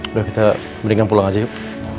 udah kita berikan pulang aja yuk